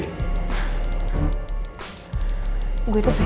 bukannya lo masih recovery